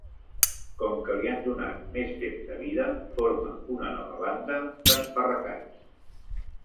Com que li han donat més temps de vida, forma una nova banda d'esparracats.